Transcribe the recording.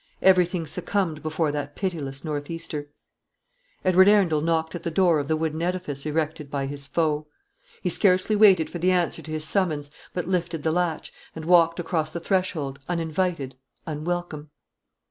Everything succumbed before that pitiless north easter. Edward Arundel knocked at the door of the wooden edifice erected by his foe. He scarcely waited for the answer to his summons, but lifted the latch, and walked across the threshold, uninvited, unwelcome.